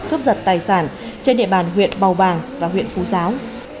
cướp giật tài sản trên địa bàn huyện bào bàng và huyện phú giáo